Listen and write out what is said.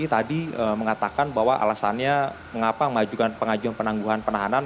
tadi mengatakan bahwa alasannya mengapa mengajukan pengajuan penangguhan penahanan